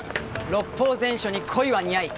「六法全書に恋はにゃい」